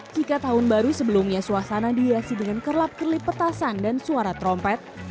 jika tahun baru sebelumnya suasana dihiasi dengan kerlap kerlip petasan dan suara trompet